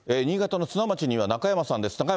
新潟の津南町には中山さんです。